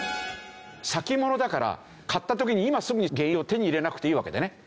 先物だから買った時に今すぐに原油を手に入れなくていいわけだよね。